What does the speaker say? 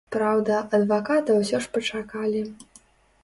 Праўда, адваката ўсё ж пачакалі.